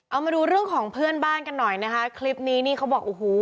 เอามาดูเรื่องของเพื่อนบ้านกันหน่อยนะคะคลิปนี้นี่เขาบอกโอ้โห